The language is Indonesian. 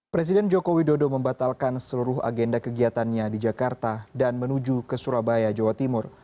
presiden joko widodo membatalkan seluruh agenda kegiatannya di jakarta dan menuju ke surabaya jawa timur